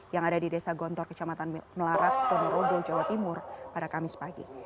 yang ada di desa gontor kecamatan melarak ponorogo jawa timur pada kamis pagi